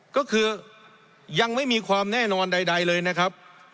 ก็คือยังไม่มีความแน่นอนใดเลยนะครับ